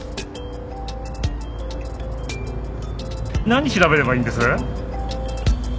何調べればいいんです？